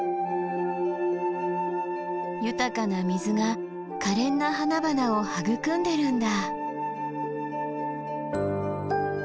豊かな水がかれんな花々を育んでるんだ。